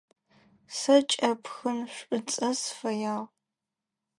Сэ кӏэпхын шӏуцӏэ сыфэягъ.